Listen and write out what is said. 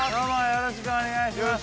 ◆よろしくお願いします。